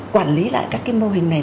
quản lý lại các cái mô hình này